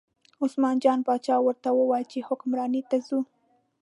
عثمان جان باچا ورته وویل چې حکمرانۍ ته ځو.